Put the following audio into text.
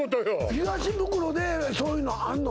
東ブクロでそういうのあんの？